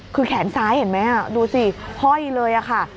คือแขนซ้ายเห็นไหมดูสิห้อยเลยค่ะ